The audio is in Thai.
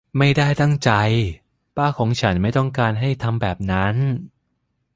ไม่ได้ตั้งใจ ป้าของฉันไม่ต้องการให้เขาทำแบบนั้น